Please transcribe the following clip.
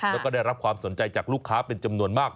แล้วก็ได้รับความสนใจจากลูกค้าเป็นจำนวนมาก